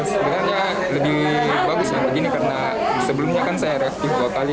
sebenarnya lebih bagus ya begini karena sebelumnya kan saya reaktif dua kali